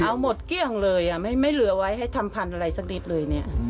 เอาหมดเกลี้ยงเลยไม่เหลือไว้ให้ทำพันธุ์อะไรสักนิดเลยเนี่ย